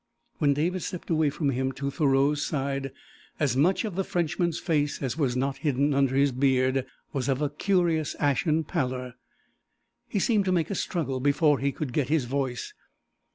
When David stepped away from him to Thoreau's side as much of the Frenchman's face as was not hidden under his beard was of a curious ashen pallor. He seemed to make a struggle before he could get his voice.